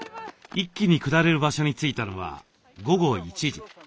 一気に下れる場所に着いたのは午後１時。